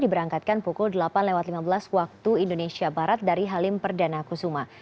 diberangkatkan pukul delapan lewat lima belas waktu indonesia barat dari halim perdana kusuma